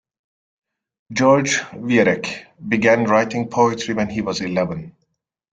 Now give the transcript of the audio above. George Viereck began writing poetry when he was eleven.